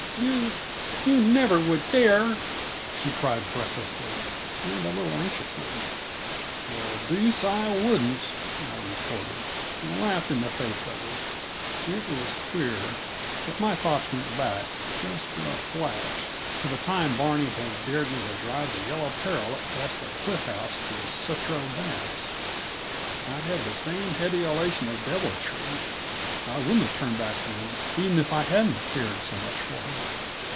"You you never would dare!" she cried breathlessly, and a little anxiously. "The deuce I wouldn't!" I retorted, and laughed in the face of her. It was queer, but my thoughts went back, for just a flash, to the time Barney had dared me to drive the Yellow Peril up past the Cliff House to Sutro Baths. I had the same heady elation of daredeviltry. I wouldn't have turned back, then, even if I hadn't cared so much for her.